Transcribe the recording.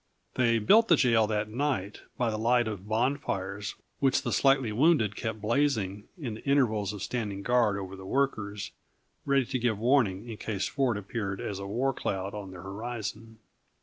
They built the jail that night, by the light of bonfires which the slightly wounded kept blazing in the intervals of standing guard over the workers; ready to give warning in case Ford appeared as a war cloud on their horizon.